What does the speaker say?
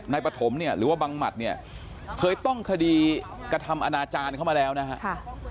ปฐมเนี่ยหรือว่าบังหมัดเนี่ยเคยต้องคดีกระทำอนาจารย์เข้ามาแล้วนะครับ